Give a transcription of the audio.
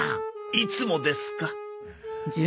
いつもですか。